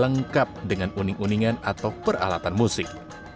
lengkap dengan uning uningan atau peralatan musik